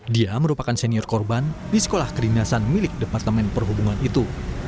dia merupakan senior korban di sekolah kedinasan milik departemen perhubungan itu